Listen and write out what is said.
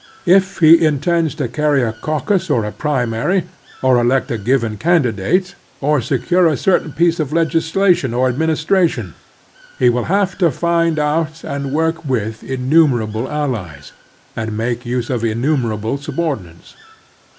If he intends to carry a caucus or primary, or elect a given candidate, or secure a certain piece of legis lation or administration, he will have to find out and work with innumerable allies, and make use of innumerable subordinates.